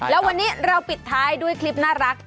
แล้ววันนี้เราปิดท้ายด้วยคลิปน่ารัก